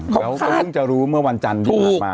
เขาก็เพิ่งจะรู้เมื่อวันจันทร์ที่ผ่านมา